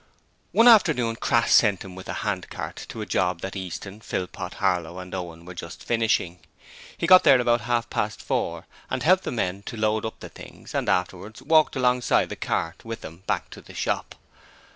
One afternoon Crass sent him with a handcart to a job that Easton, Philpot, Harlow and Owen were just finishing. He got there about half past four and helped the men to load up the things, and afterwards walked alongside the cart with them back to the shop.